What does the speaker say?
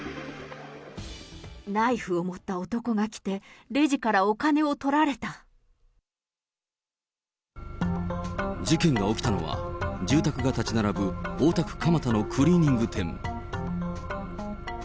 ナイフを持った男が来て、事件が起きたのは、住宅が建ち並ぶ、大田区蒲田のクリーニング店。